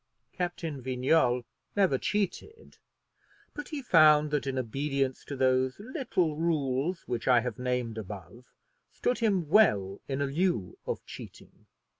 Captain Vignolles never cheated; but he found that an obedience to those little rules which I have named above stood him well in lieu of cheating.